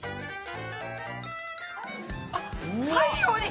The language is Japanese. あっ太陽に！